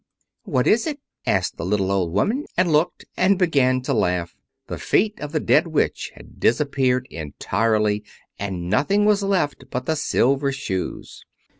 "What is it?" asked the little old woman, and looked, and began to laugh. The feet of the dead Witch had disappeared entirely, and nothing was left but the silver shoes.